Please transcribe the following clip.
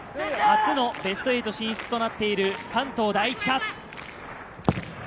初のベスト８進出となっている関東第一か。